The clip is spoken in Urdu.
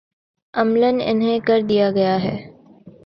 عملا انہیں کر دیا گیا ہے۔